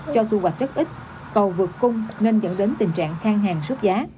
cho thu hoạch rất ít cầu vượt cung nên dẫn đến tình trạng khang hàng sốt giá